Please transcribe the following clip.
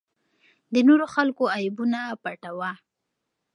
د نورو خلکو عیبونه پټوه.